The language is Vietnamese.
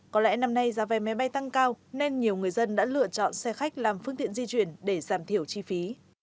có lẽ năm nay giá vé máy bay tăng cao nên nhiều người dân đã lựa chọn xe khách làm phương tiện di chuyển để giảm thiểu chi phí